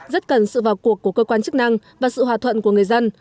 rất cần sự vào cuộc của cơ quan chức năng và sự hòa thuận của người dân